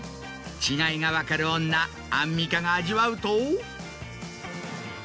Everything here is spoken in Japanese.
違いが分かる女アンミカが味わうと。